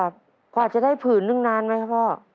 กว่าจะได้ผื่นนึงนานไหมครับพ่อ